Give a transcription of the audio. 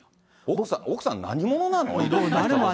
奥さん、何者なの？